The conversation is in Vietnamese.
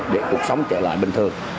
để cuộc sống trở lại bình thường